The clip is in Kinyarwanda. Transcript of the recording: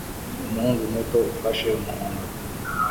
Umuhungu muto ufashe umuhondo